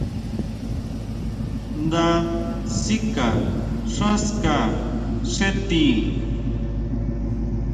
Nda sika xán ska xé tii.